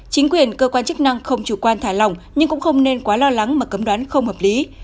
chính quyền cơ quan chức năng không chủ quan thả lòng nhưng cũng không nên quá lo lắng mà cấm đoán không hợp lý